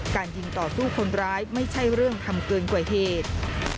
การยิงต่อสู้คนร้ายไม่ใช่เรื่องทำเกินกว่าเหตุ